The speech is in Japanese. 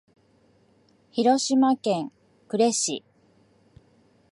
広島県呉市